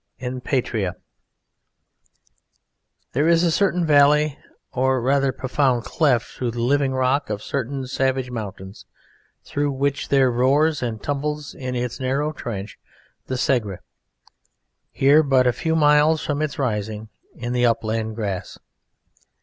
IN PATRIA There is a certain valley, or rather profound cleft, through the living rock of certain savage mountains through which there roars and tumbles in its narrow trench the Segre, here but a few miles from its rising in the upland grass.